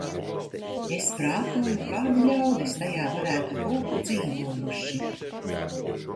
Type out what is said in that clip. Es prātoju, kādi ļaudis tajā varētu būt dzīvojuši.